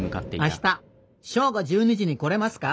「明日正午１２時に来れますか？